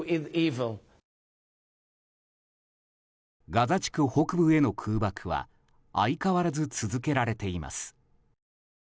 ガザ地区北部への空爆は相変わらず続けられています。